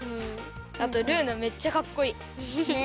あとルーナめっちゃかっこいい。ね！